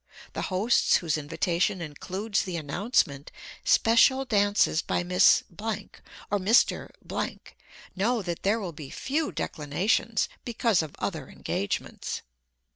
The hosts whose invitation includes the announcement "special dances by Miss or Mr. " know that there will be few declinations because of other engagements.